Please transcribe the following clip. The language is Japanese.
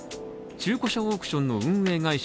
中古車オークションの運営会社